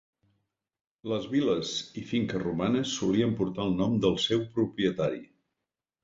Les vil·les i finques romanes solien portar el nom del seu propietari.